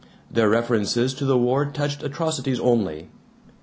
Their references to the war touched atrocities only.